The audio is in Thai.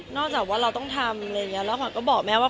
นอกจากว่าเราต้องทำและขวัญก็บอกแม่ว่า